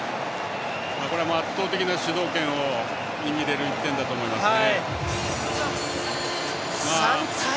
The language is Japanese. これも圧倒的な主導権を握れる１点だと思いますね。